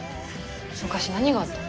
昔何があったの？